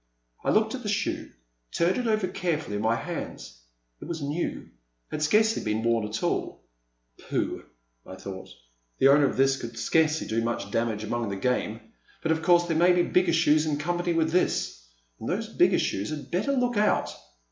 I looked at the shoe, turning it over carefully in my hands. It was new — had scarcely been worn at all. Pooh,'* I thought, the owner of this could scarcely do much damage among the game, but The Silent Land. 9 1 of course there may be bigger shoes in company with this, and those bigger shoes had better look out!'